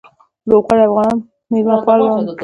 لرغوني افغانان میلمه پال وو